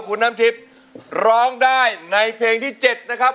คุณน้ำทิพย์ร้องได้ในเพลงที่๗นะครับ